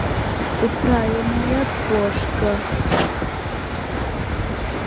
Определенно обеспокоен.